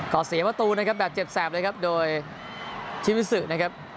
ก็เสียประตูนะครับแบบเจ็บแสบเลยครับโดยชิมิสุนะครับ